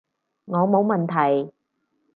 我冇問題